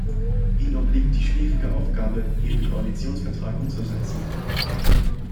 Ihnen obliegt die schwierige Aufgabe, Ihren Koalitionsvertrag umzusetzen.